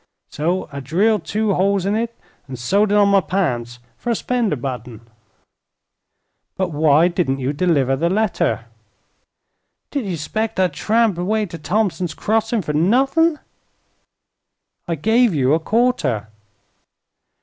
So I drilled two holes in it an' sewed it on my pants fer a 'spender butt'n." "But why didn't you deliver the letter?" "Did ye 'spect I'd tramp way t' Thompson's Crossing fer nuthin'?" "I gave you a quarter."